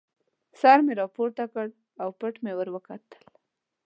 سر مې را پورته کړ او پټ مې ور وکتل.